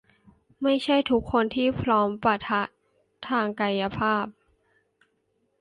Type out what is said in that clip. ไม่ใช่ทุกคนที่พร้อมปะทะทางกายภาพ